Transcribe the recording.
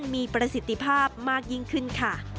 มีประสิทธิภาพมากยิ่งขึ้นค่ะ